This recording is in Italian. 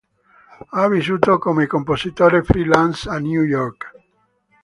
Ha vissuto come compositore freelance a New York.